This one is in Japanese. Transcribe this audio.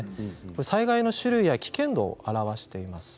災害の種類や危険度を表しています。